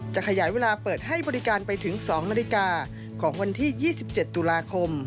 จะขยายเวลาเปิดให้บริการไปถึง๒นาฬิกา